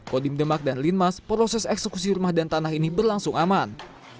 kodim demak dan linmas proses eksekusi rumah dan tanah ini berlangsung aman